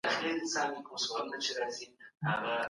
بدن ته د استراحت وخت ورکړئ.